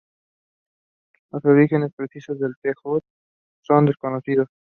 Los orígenes precisos de The Hood son desconocidos.